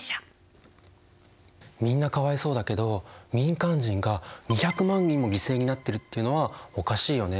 みんなかわいそうだけど民間人が２００万人も犠牲になってるっていうのはおかしいよね。